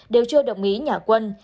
đều chưa đồng ý nhả quân